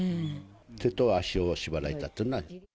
手と足を縛られたっていうのは。